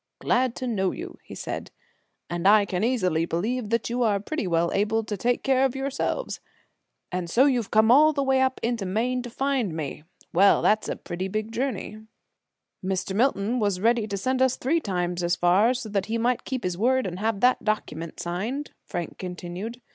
"Glad to know you," he said, "and I can easily believe that you are pretty well able to take care of yourselves. And so you've come all the way up into Maine to find me? Well, that's a pretty big journey." "Mr. Milton was ready to send us three times as far, so that he might keep his word, and have that document signed," Frank continued.